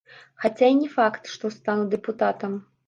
Хаця і не факт, што стану дэпутатам.